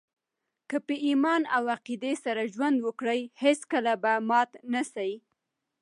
که په ایمان او عقیدې سره ژوند وکړئ، هېڅکله به مات نه سئ!